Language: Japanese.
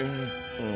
うん。